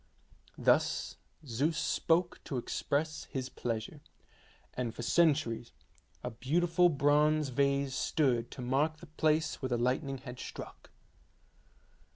Thus Zeus spoke to express his pleasure, and for centuries a beautiful bronze vase stood to mark the place where the lightning had struck.